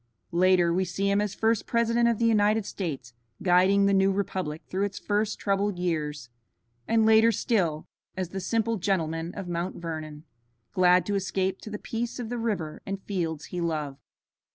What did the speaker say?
Later we see him as first President of the United States guiding the new republic through its first troubled years, and later still as the simple gentleman of Mount Vernon, glad to escape to the peace of the river and fields he loved.